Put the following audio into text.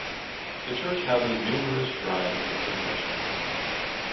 The church houses numerous shrines and confessionals.